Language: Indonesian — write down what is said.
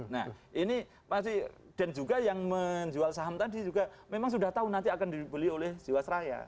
nah ini pasti dan juga yang menjual saham tadi juga memang sudah tahu nanti akan dibeli oleh jiwasraya